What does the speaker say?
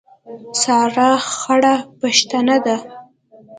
سارا خړه پښتنه ده.